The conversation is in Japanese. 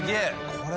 これ。